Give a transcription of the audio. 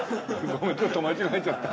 ごめんちょっと間違えちゃった。